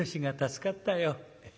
助かったよ！」。